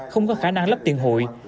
không có khả năng lắp tiền hụi